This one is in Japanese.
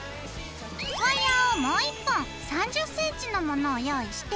ワイヤーをもう１本３０ｃｍのものを用意して。